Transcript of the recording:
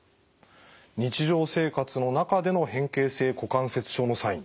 日常生活の中での変形性股関節症のサイン